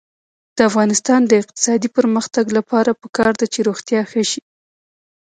د افغانستان د اقتصادي پرمختګ لپاره پکار ده چې روغتیا ښه شي.